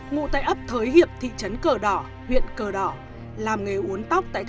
ngụ tại ấp thới hiệp thị trấn cờ đỏ huyện cờ đỏ